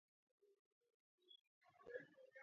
სწავლობდა ერევნის საეპარქიო სკოლაში.